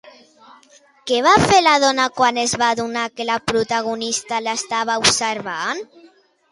Què va fer la dona quan es va adonar que la protagonista l'estava observant?